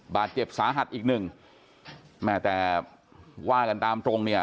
บาดเจ็บสาหัสอีกหนึ่งแม่แต่ว่ากันตามตรงเนี่ย